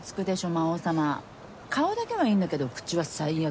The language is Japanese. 魔王様顔だけはいいんだけど口は最悪。